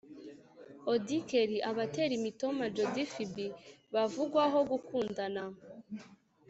Auddy Kelly aba atera imitoma Jody Phibi bavugwaho gukundana